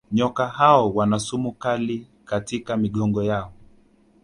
Nyoka hao wana sumu kali katika migongo yao